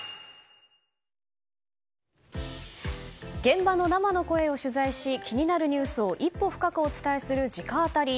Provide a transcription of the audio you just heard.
現場の生の声を取材し気になるニュースを一歩深くお伝えする直アタリ。